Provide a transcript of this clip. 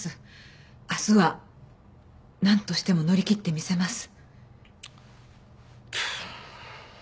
明日は何としても乗り切ってみせます。